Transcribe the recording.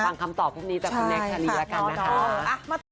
ฟังคำตอบพรุ่งนี้จากคุณเนคชาลีละกันนะคะ